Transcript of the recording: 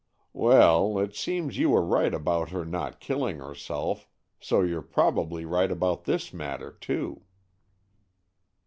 "Well, it seems you were right about her not killing herself, so you're probably right about this matter, too."